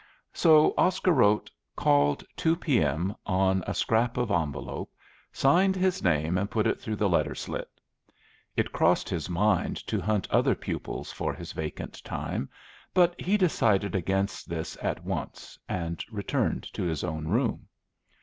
So Oscar wrote: "Called, two p.m.," on a scrap of envelope, signed his name, and put it through the letter slit. It crossed his mind to hunt other pupils for his vacant time, but he decided against this at once, and returned to his own room.